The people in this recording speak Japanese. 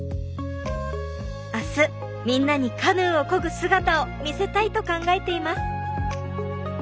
明日みんなにカヌーをこぐ姿を見せたいと考えています。